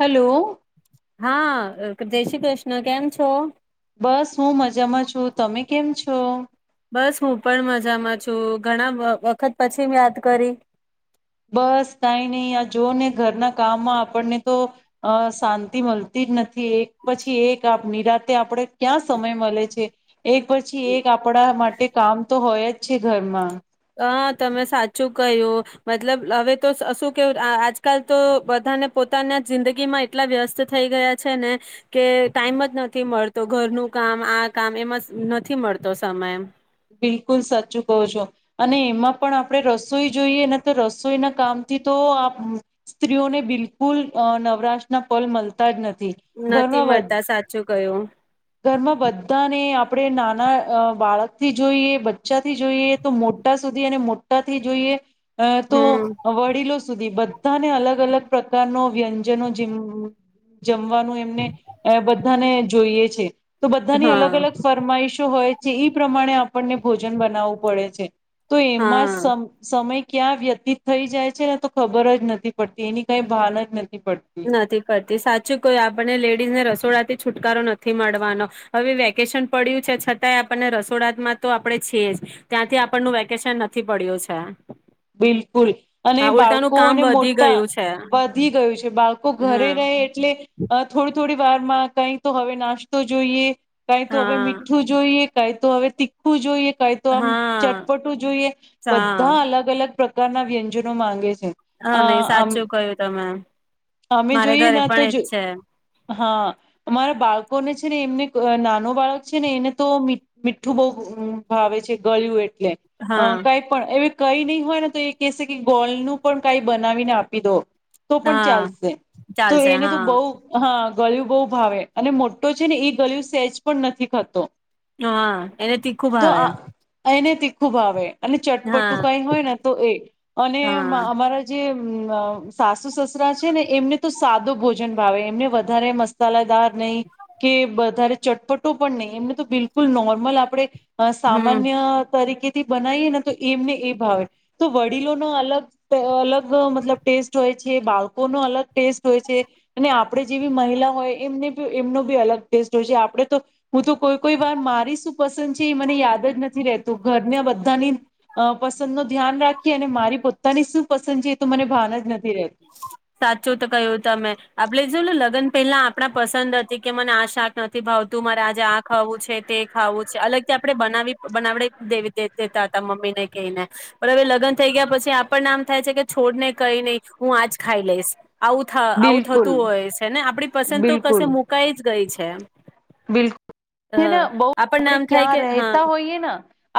Hello હા. જય શ્રી કૃષ્ણ! કેમ છો? બસ હું મજામાં છું, તમે કેમ છો? બસ હું પણ મજામાં છું. ઘણા વખત પછી યાદ કરી? બસ કઈ નઈ, આ જોને ઘરના કામમાં આપણને તો અ શાંતિ મલતીજ નથી. એક પછી એક આપ નિરા આપણેે ક્યાં સમય મલે છે. એક પછી એક આપણા માટે કામ તો હોયજ. છે ઘરમાં. અહ તમે સાચું કય્યું, મતલબ હવે તો શું કેવું આજકાલ તો બધાને પોતાના જિંદગીમાં એટલા વ્યસ્ત થઈ ગયા છે, ને કે ટાઈમ જ નથી મળતો ઘરનું કામ આ કામ એમાં નથી મળતો સમય. બિલકુલ સાચું કહ છો અને એમાં પણ આપડે રસોઈ જોઈએ ને, તો રસોઈના કામથી તો આ સ્ત્રીઓને બિલકુલ નવરાશના પલ મળતા જ નથી. નથી ઘરમાં મળતા સાચું કયો. ઘરમાં બધાને આપડે નાના બાળક થી જોઈએ, બચ્ચા થી જોઈએ, તો મોટા સુધી અને મોટાથી જોઈએ. અ તો હમ વડીલો સુધી બધ બધા ને અલગ અલગ પ્રકારનો વ્યંજનો જેમ જમવાનું એમને બધાને. જોઈએ છે. તો બધાની હા અલગ-અલગ ફરમાઈશો હોય. જે એ પ્રમાણે આપણને ભોજન બનાવવું પડે છે. તો એમાં હા. સમ સમય. ક્યાં વ્યતીત થઈ જાય છે ને તો ખબર જ નથી પડતી એની કઈ ભાન જ નથી. પડતી નથી કરતી સાચું કોઈ આપણને લેડીઝને રસ સોડા થી છુટકારો નથી મળવાનો, હવે વેકેશન પડ્યું છે છતાંય આપણને રસોડામાં તો આપડે છીએ જ ત્યાંથી આપણનું વેકેશન નથી પડ્યું છે. બિલકુલ અને હા ઉલટાનું કામ બાળકોને વધી મોટા ગયું છે વધી ગયું છે. બાળકો ઘરે હા રહે એટલે થોડી થોડી વાર માં કઈ તો હવે નાસ્તો જોઈએ. કઈ તો હવે હા મીઠું જોઈએ. કંઈ તો હવે તીખ્ખું જોઈએ. કંઈ તો આમ હા ચટપટું જોઈએ, બધ્ધા હા અલગ અલગ પ્રકારના વ્યંજનો માંગે છે. હા, અ નહીં. અમ સાચું કયું તમે. અમે મારે જોઈએ ઘરે ને પણ તો એજ જ છે. હા, અમારા બાળકોને છે ને, એમને નાનો બાળક છે ને એને તો મી મીઠ્ઠું બહુ ભાવે છે, ગળય્યું એ એટલે, હા કંઈ પણ એવી કંઈ ની હું ને [unintelligible] તો એ કહેસે કે ગોલનું પણ કંઈ બનાવીને આપી દો. તો પણ હા ચાલસે. તો ચાલશે એને તો હા બઉ હા ગળ્યું બહુ ભાવે. અને મોટ્ટો છે ને એ ગળ્યું સ્હેજ પણ નથી ખાતો. હા, એને તીખ્ખુ ભાવે. ખૂબ ભાવે અને હા ચટપટું કઈ હોય ને અને હા અમા અમારા જે સાસુ સસરા છે ને, એમને તો સાદો ભોજન ભાવે. એમને વધારે મસાલાદાર નહીં કે વધારે ચટપટો પણ નહીં એમને તો બિલકુલ નોર્મલ આપણે. અ હમ સામાન્ય તરીકે થી બનાવીએ ને તો એમને એ ભાવે. તો વડીલોનો અલગ-અલગ મતલબ ટેસ્ટ હોય છે, બાળકોનો અલગ ટેસ્ટ હોય છે અને આપણે જેવી મહિલા હોય એમને એમનો બી અલગ ટેસ્ટ હોય છે આપણે તો હું તો કોઈ કોઈ વાર મારી શું પસંદ છે એ મને યાદ જ નથી રતું ઘરના બધાની પસંદનો ધ્યાન રાખી અને મારી પોતાની શું પસંદ છે એ તો મને ભાન જ નથી રહેતું. સાચું તો કયું તમે આપડે જોને લગ્ન. પેલા આપણા પસંદ હતી કે મને આ શાક નથી ભાવતું મારે આજે આ ખાવું છે તે ખાવું છે અલગથી આપણે બનાવી બનાવડી દેવી દેતા હતા મમ્મી ને ક ને પણ હવે લગ્ન થઈ ગયા પછી આપણને આમ થાય છે કે છોડ ને કઈ નહી હું આજ ખાઈ લઈશ આવું થય આવું બિલકુલ થતું હોય છે ને આપડી પસંદ તો કશે બિલકુલ મુકાઈ જ ગઈ છે એમ બિલકુલ બઉ આપડે આમ થાય ક્યાં કે હા રહેતા હોઈએ ને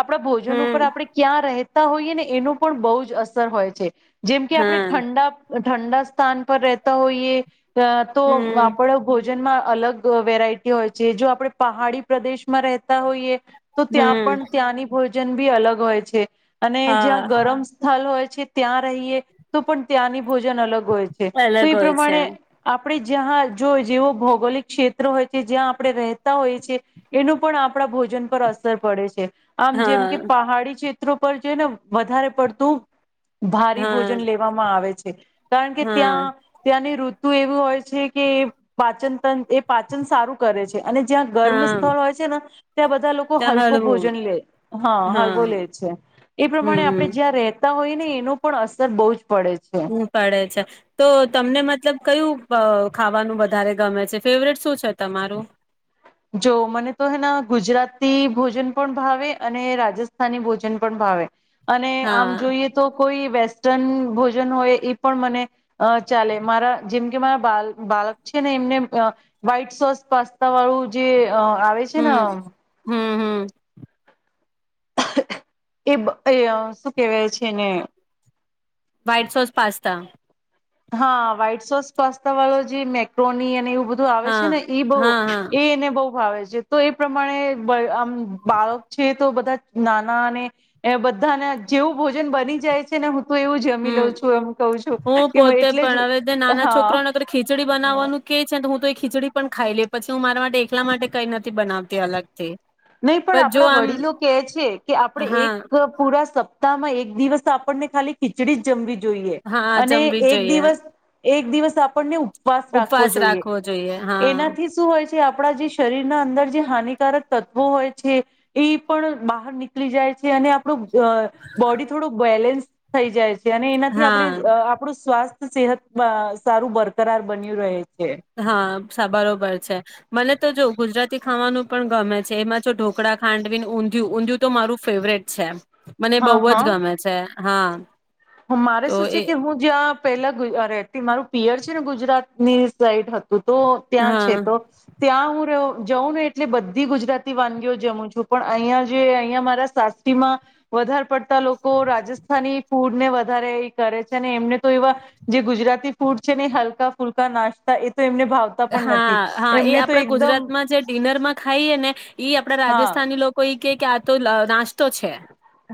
આપણા ભોજન ઉપર હમ આપડે ક્યાં રહેતા હોઈય ને એનો પણ બહુ જ અસર હોય છે જેમ કે આપણે હા ઠંડા ઠંડા સ્થાન પર રહેતા હોઇએ જ તો હમ આપડો ભોજ કિચનમાં અલગ વેરાયટી એ હોય છે જો આપડણે પહાડી પ્રદેશમાં રહેતા હોઈએ તો ત્યાં હમ પણ ત્યાંની બહુજ ભોજન બી અલગ હોય છે અને જ્યાં હા ગરમ સ્થળ હોય છે ત્યાં રહીએ તો પણ ત્યાંની ભોજન અલગ હોય છે તો અલગ એ હોય છે પ્રમાણે આપ આપે જ્યાં જો જેવો ભૌગોલિક ક્ષેત્ર હોય કે જ્યાં આપણે રહેતા હોય છેએ એનું પણ આપણા ભોજન પર અસર પડે છે. આમ જેમ કે હા પહાડી છે, પર્વતો પર જઇને વધારે પડતું ભારી હા ભોજન લેવામાં આવે છે કારણ કે હા ત્યાં ત્યાંની ઋતુ ઋતુ એવું હોય છે કે પાચન ત એ પાચન સારું કરે છે અને જ્યાં ગર્મ હા સ્થળ હોય છે ને ત્યાં બધા લોકો ત્યાં હલકો હળવું ભોજન લે હા હલકો લે છે એ પ્રમાણે આપણે હમ જ્યાં રહે. હોય ને એનો પણ અસર બહુ જ. પડે છે ઉ પડે છે તો તમને મતલબ કયું? ખાવાનું વધારે ગમે છે ફેવરેટ શું છે તમારું? જો મને તો હેના ગુજરાતી ભોજન પણ ભાવે અને રાજસ્થાની ભોજન પણ ભાવે. અને આમ હા જોઈએ તો. કોઈ વેસ્ટર્ન ભોજન હોય એ પણ મને ચાલે મારા જેમકે મારા બાલક બાળક છે ને એમને વ્હાઈટ સોસ પાસ્તા વાળું. જે અ આવે છે ને હમ્મ હહ એ બ એ શું કેવાય છે એને? વ્હાઈટ સોસ પાસ્તા હા, વ્હાઈટ સોસ પાસ્તા વાળો જે મેક્રોની અને એવું બધું આવે હા છે ને એ હા બહ હા એ એને બ છે તો એ પ્રમાણે બાળક છે તો બધા નાના અને બધાને જેવું ભોજન બની જાય છે ને હું એવું જમી હમ લઉં છું, એમ કઉ છું. હું કે પોતે એટલે પણ જ હવે નાના હા છોકરાનેર ખીચડી બનાવવાનું કે છે. હું તો એ ખીચડી પણ ખાઈ લઈ, પછી હું મારા માટે એકલા માટે કઈ નથી બનાવતી અલગ. નહી પણ આપણા વડીલો કે છે કે આપણેે હા એક પૂરા સ તામાં એક દિવસ આપણને ખાલી ખીચડી જમવી જોઈએ હા અને જમવી એક જોઈએ દિવસ એક દિવસ આપ આપને ઉપવાસ રાખવો ઉપવાસ જોઈએ, રાખવો જોઈએ હા એનાથી શું હોય છે આપણા જે શરીર ના અંદર જે હાનિકારક તત્વો હોય છે, એ પણ બહાર નીકળી જાય છે અને આપડૂ અહ બોડી થોડું બેલેન્સ થઇ જાય છે. અને એનાથી આપણે હા આપણું સ્વાસ્થ્ય સેહત સારું બરકરાર બન્યું રહે છે. હા બરોબર છે, મને તો જો ગુજરાત તી ખાવાનું પણ ગમે છે, એમાં ઢોકળા, ખાંડવી ઊંધિું. ઊંધિું તો મારું ફેવરેટ છે. મને હા બઉુ હા જ ગમે છે. હા. મારે તો શું છે એ કે હું જ્યાં પેલા રહેતી, મારું પિયર છે ને ગુજરાતની સાઇડ હતું. તું તો ત્યાં છે હા તો ત્યાં હું જઉં ને એટલે બધી ગુજરાતી વાનગીઓ જમું છું, પણ અહિયાયા જે અહિયાયા મારા સાસરીમાં વધારે પડતા લોકો કો રાજસ્થની ફૂડ ને વધારે એ કરે છે ને એમને તો એવા જે ગુજરાતી ફૂડ છે ને હલકા ફુલકા નાસ્તા, એ તો એમને ભાવતા પણ હા, નથી હા, એ એમને તો આપડા એકદમ ગુજરાતમાં જે ડિનરમાં ખાઈએને ઈ આપડા હા રાજસ્થાની લોકો ઈ કે, આતો નાસ્તો છે.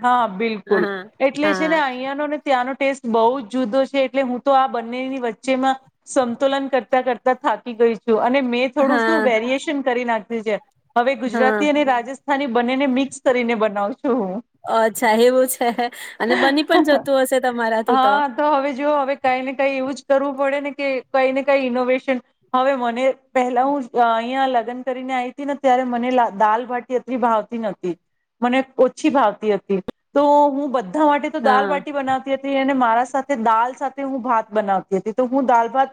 હા બિલકુલ હા એટલે છે હા ને અહીંયાનો ને ત્યાંનો ટેસ્ટ બહુ જ જુદો છે એટલે હું તો આ બંનેની વચ્ચેમાં સંતુલન કરતા કરતા થાકી ગઈ. અને મેં થોડું શું હા વેરિએશન કરી નાખ્યું. બીજે. હવે હા ગુજરાતી અને રાજસ્થાન ની બંનેને મિક્સ કરીને બનાવ છું. અચ્છા એવું છે અને બની પણ હું જતું હશે તમારાથી તો? હા હવે જો હવે કઈ ને કઈ એવું જ કરવું પડે ને કે કઈને કઈ ઈનોવેશન હવે મને પહેલા હું અહીં લગ્ન કરીને આવી હતી ને ત્યારે મને દાલ ભાટી અત ભાવતી નથી મને ઓછી ભાવ હતી તો હું બધ બધા માટે તો દાલ હા બાટી બનાવતી હતી. અને મારા સાથે દાલ સાથે હું ભાત બનાવતી હતી તો હું દાલ ભાત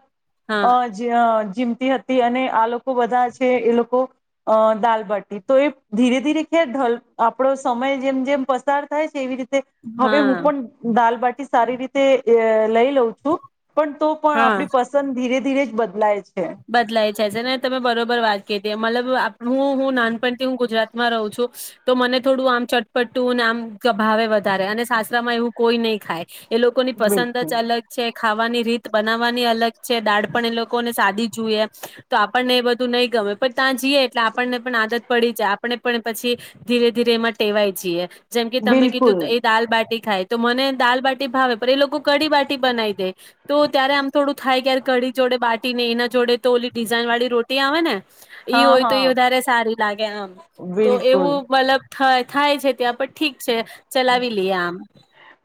હા હ જ હ. જીમતી હતી અને આ લોકો બધા છે એ લોકો અ દાલબાટી તો એ ધીરે ધીરે ખેઢલ આપણો સમય જેમ જેમ પસાર થાય છે એવી રીતે હવે હા હું પણ દાલ બાટી સારી રીતે અ લઈ જઉ છું તો પણ હા આપ પસંદ ધીરે ધીરે બદલાય. છે બદલાય જાય છે ને તમે બરોબર વાત કીધી મતલબ હું હું નાનપણથી હું ગુજરાતમાં રહું છું તો મને થોડું આમ ચટપટ્ટું અને આમ ભાવે વધારે અને સાસરામાં એવું કોઈ નહી ખાય. એ લોકોની પસંદ બિલકુલ જ અલગ છે. ખાવાની રીત બનાવવાની અલગ છે દાળ પણ એ લોકોને સાદી જોઈએ તો આપણને એ બધું નહી ગમે પણ ત્યાં જઈએ એટલે આપણને પણ આદત પડી જાય આપણે પણ પછી ધીરે ધીરે એમાં ટેવાય જઈએ. જેમ કે તમે બિલકુલ કીધું એ દાલ બાટી થાય તો મને દાલ બાટી ભાવે પણ એ લોકો કઢી બાટી બનાવી દે તો ત્યારે આમ થોડું થાય ક કઢી જોડે બાટી ને એના જોડે તો ઓલી ડિઝાઇન વાળી રોટી આવે ને ઈ હા હોય તો હા એ વધારે સારી લાગે આમ તો બિલકુલ એવું મતલબ થ થાય છે ત્યાં પણ ઠીક. સે ચલાાવલી આમ. [inaudible]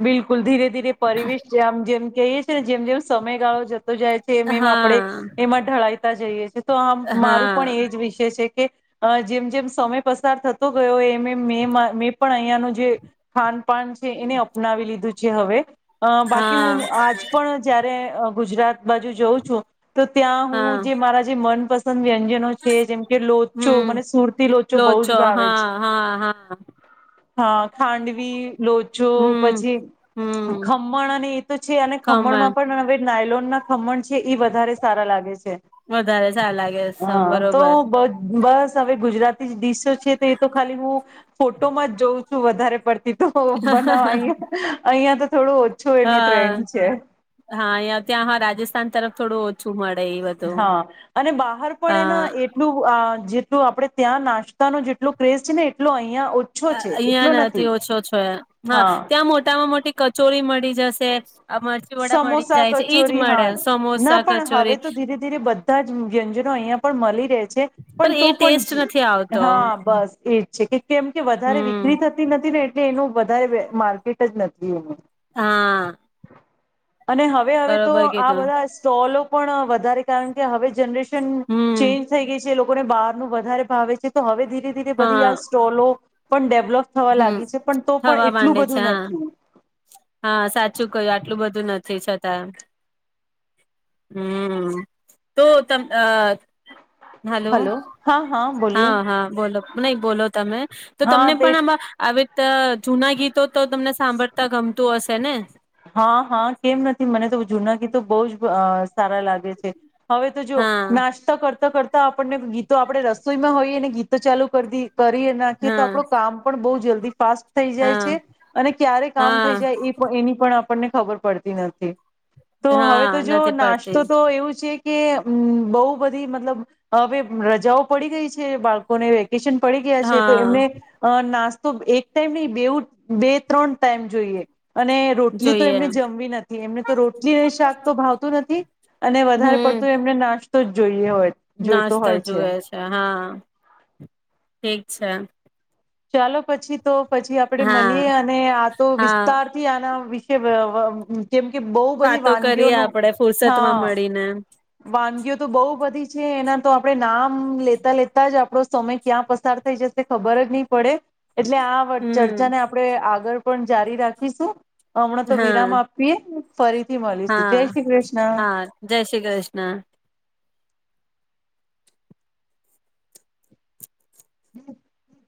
બિલકુલ ધીરે ધીરે પરિવેશ જે આમ જેમ કેઇસ જેમ જેમ સમયગાળો જતો જાય છે એમ એમ આપે હા એમાં ઢળાઈ તા જઈએ છે. તો આમ મારું હા પણ એ જ વિષય છે કે અ જેમ જેમ સમય પસાર થતો ગયો એમ એ મે મેં પણ અહિયાંનું જે ખાનપાન છે એને અપ અપનાવી લીધું છે હવે. અ બાકી હું હા આજ પણ જ મેં ગુજરાત બાજુ જઉં છું. તો ત્યાં હું હા જે મારા જે મનપસંદ વ્યંજનો છે જેમ કે લોચો હમ મને સુરતી લોચો બહ જ ભાવે છે. હા હા હા હા ખાંડવી. લોચો. હમ પછી હમ ખમણ અને એ તો છે અને ખમણમાં ખમણ પણ હવે નાયલોન ના ખમણ કે એ વધારે સારા લાગે છે વધારે સારા લાગે હા તો બરોબર બ બસ હવે ગુજરાતી ડીશો છે તો એ તો ખાલી હું ફોટોમાં જ જોઉં છું વધારે પડતી. તો હો બનાવ અહીંયા. અહીંયા તો થોડું ઓછું હ એનો ટ્રેન્ડ છે હા ત્યાં હ રાજસ્થાન તરફ થોડું સુુંમર હા અને બહાર પણ હા એના એટલું આ જે આપડણે ત્યાં નાસ્તા નો જેટલો ક્રેઝ છે ને એટલો અહીં અહિયાં નથી ઓછો છો હા ત્યાં મોટામાં મોટી કચોરી મળી જશે. આ મરચી વડા મળી સમોસા જાય છે એજ કચોરી હા મળે ના સમોસા પણ હવે કચોરી તો ધીરે ધીરે બધા જ વ્યંજન અહંયા પણ મલિત પણ એ તો ટેસ્ટ નથી પણ આવતો હા બસ એજ છે કે કેમ કે વધારે હમ વિકરી થતી નથી ને એટલે એનું વધારે બે માર્કેટ જ નથી એહિયા. હા. અને હવે હવે તો બરોબર આ કીધું બધા સ્ટોલો. પણ વધારે કારણ કે હવે જનરેશન. [unintelligible] હમ થઈ ગઈ છે. લોકોને બહાર નું વધારે ભાવે છે તો હવે ધી ધીરે ધીરે બધી હા આ સ્ટોલો. પણ ડે હમ થવા માંડે છે બધું હા નથી હા સાચું કયું આટલું બધું નથી. [unintelligible] છતાં હમ. તો તમ આ હલો. હા હા બોલો નહી બોલો તમે તો હા તમને તે પણ આ આવી રીતે જૂના ગીતો તો તમને સાંભળતા ગમતું હશે ને. હા હા કેમ નથી મને તો જુનાગીતો બહુ જ સારા લાગે છે. હવે તો જુઓ હા નાસ્તા કરતા કરતા આપણને ગીતો આપણે રસોઈમાં હોય અને ગીતો ચાલુ કરી દી કરીએ નાખીએ તો હા આપડો કામ પણ બહ જલ્દી ફાસ્ટ થઈ જાય હા છે અને ક્યારે કામ હા થઈ જાય એ પણ એની આપણને ખબર પડતી નથી. તો હા હવે તો જો નથી પડતી નાસ્તો તો એવું છે. કે બહુ બધી મતલબ હવે રજાઓ પડી ગઈ છે બાળકોને વે કેશન પડી ગયા છે તો હા એમને અ નાસ એક ટાઈમ નહી બેવું બે ત્રણ ટાઈમ જોઈએ અને રો ટલી તો જોઈએ એમને જમવી નથી એમને તો રોટલી ને શાક તો ભાવતું નથી અને વધારે હમ પડતું એમને નાસ તો જ જોઈએ હોય. જોઈતો નાસ્તો હોય જુએ છે હા. ઠીક છે. ચાલો પછી તો. પછી આપડે હા મળીએ અને આ તો હા વિસ્તાર થી આના કે [unintelligible] બહુ બધી વાતો કરીએ વાનગીઓનું આપડે ફુરસત માં હા મળીને. વાનગીઓ તો બહુ બધી છે એના તો આપડણે નામ લેતા લેતા જ આપણો સમય ક્યાં પસાર થઈ જશે ખબર જ નહી પડે. એટલે આ હમ ચર્ચા ને આપણેે આગળ પણ જારી રાખીશું. હમણાં તો હા વિરામ આપીએ. ફરીથી મળીશું હા જય શ્રી કૃષ્ણ. ના. [inaudible]